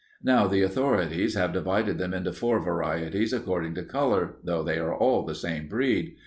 Now the authorities have divided them into four varieties according to color, though they are all the same breed.